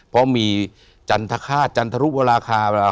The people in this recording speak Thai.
เพราะมีจันทคาตจันทรุวราคา